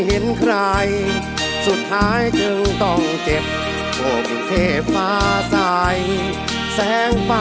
เจอแต่คนทางยังมืดมั่ว